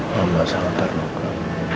mama sangat terluka